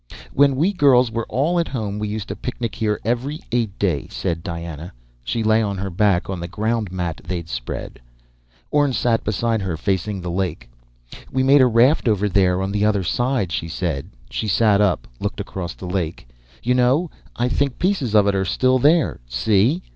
"When we girls were all at home we used to picnic here every Eight day," said Diana. She lay on her back on the groundmat they'd spread. Orne sat beside her facing the lake. "We made a raft over there on the other side," she said. She sat up, looked across the lake. "You know, I think pieces of it are still there. See?"